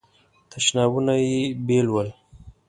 تشنابونه یې بیل ول.